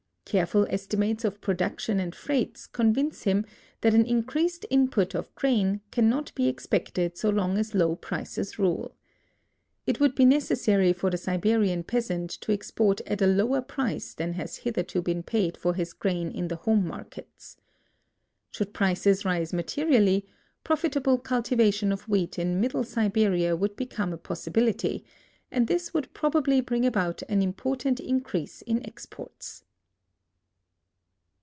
Careful estimates of production and freights convince him that an increased output of grain cannot be expected so long as low prices rule. It would be necessary for the Siberian peasant to export at a lower price than has hith erto been paid for his grain in the home markets. Should prices rise materially, profitable cultivation of wheat in middle Siberia would become a possibility, and this would probably bring about an important increase in exports.